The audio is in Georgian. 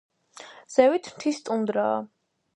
ზევით მთის ტუნდრაა.